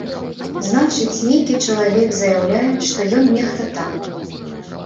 Значыць, нейкі чалавек заяўляе, што ён нехта там.